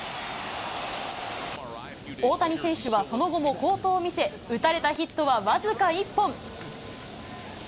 大谷選手はその後も好投を見せ、打たれたヒットは僅か１本。